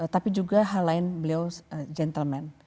tapi juga hal lain beliau gentleman